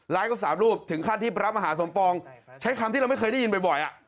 ไลฟ์กับสามรูปถึงขั้นที่พระมหาสมปองใช้คำที่เราไม่เคยได้ยินบ่อยบ่อยอ่ะ